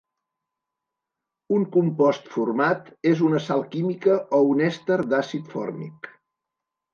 Un compost format és una sal química o un èster d'àcid fòrmic.